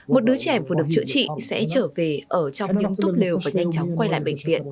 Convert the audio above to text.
một đứa trẻ vừa được chữa trị sẽ trở về ở trong những túp lều và nhanh chóng quay lại bệnh viện